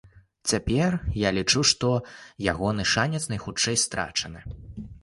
Цяпер я лічу, што ягоны шанец найхутчэй страчаны.